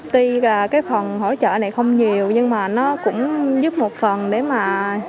tuy là cái phần hỗ trợ này không nhiều nhưng mà nó cũng giúp một phần để mà